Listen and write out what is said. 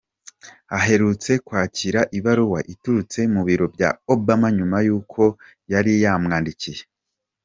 Aherutse kwakira ibaruwa iturutse mu biro bya Obama nyuma y’uko yari yamwandikiye.